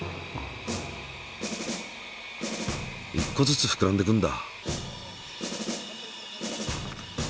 １個ずつふくらんでくんだ。